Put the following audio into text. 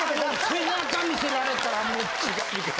背中見せられたらもう。